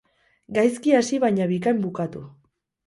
Gaizki hasi baina bikain bukatu.